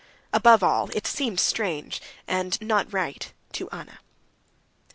Above all, it seemed strange and not right to Anna.